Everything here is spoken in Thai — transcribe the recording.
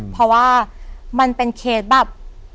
เพราะว่ามันเป็นเคสแบบ